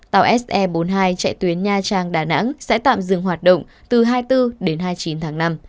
tàu se bốn mươi hai chạy tuyến nha trang đà nẵng sẽ tạm dừng hoạt động từ hai mươi bốn đến hai mươi chín tháng năm